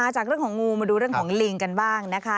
จากเรื่องของงูมาดูเรื่องของลิงกันบ้างนะคะ